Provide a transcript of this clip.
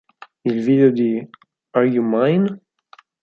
Il video di "R U Mine?